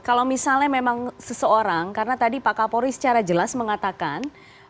kalau misalnya memang seseorang karena tadi pak kapolri secara jelas mengatakan